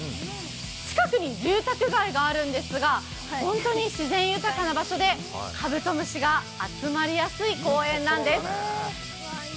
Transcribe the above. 近くに住宅街があるんですが、ホントに自然豊かな場所でカブトムシが集まりやすい公園なんです。